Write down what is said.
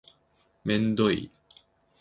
めんどい